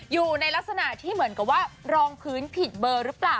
อยู่ในลักษณะที่เหมือนกับว่ารองพื้นผิดเบอร์หรือเปล่า